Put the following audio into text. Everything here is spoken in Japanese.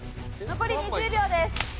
残り２０秒です。